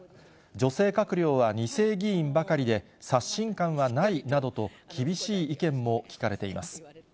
女性閣僚は２世議員ばかりで、刷新感はないなどと、厳しい意見も聞かれています。